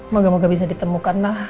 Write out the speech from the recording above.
moga moga bisa ditemukan lah